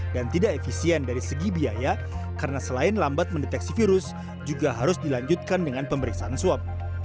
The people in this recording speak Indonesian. tidak efisien dari segi biaya karena selain lambat mendeteksi virus juga harus dilanjutkan dengan pemeriksaan swab